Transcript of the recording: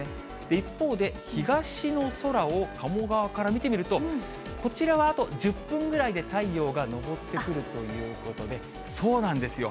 一方で、東の空を鴨川から見てみると、こちらはあと１０分ぐらいで太陽が昇ってくるということで、そうなんですよ。